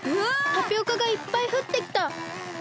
タピオカがいっぱいふってきた！